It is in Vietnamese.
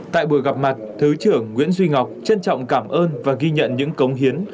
tại buổi gặp mặt thứ trưởng nguyễn duy ngọc trân trọng cảm ơn và ghi nhận những cống hiến